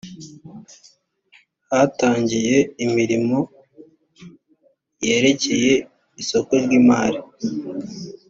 hatangiye imirimo yerekeye isoko ryimari